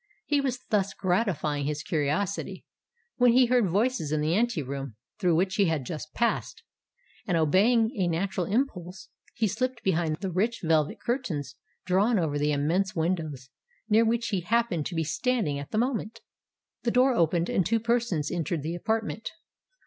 He was thus gratifying his curiosity, when he heard voices in the ante room through which he had just passed; and, obeying a natural impulse, he slipped behind the rich velvet curtains drawn over the immense window, near which he happened to be standing at the moment. The door opened, and two persons entered the apartment.